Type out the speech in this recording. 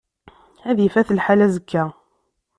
Ad ifat lḥal azekka.